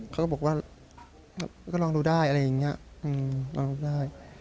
เขาก็บอกว่าก็ลองดูได้อะไรอย่างนี้